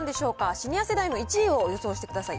シニア世代の１位を予想してください。